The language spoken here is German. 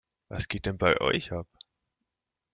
Was geht denn bei euch ab?